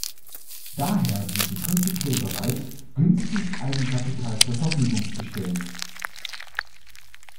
Daher sind sie prinzipiell bereit, günstig Eigenkapital zur Verfügung zu stellen.